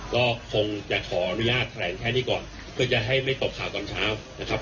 ก็คงจะขออนุญาตแถลงแค่นี้ก่อนเพื่อจะให้ไม่ตอบข่าวตอนเช้านะครับ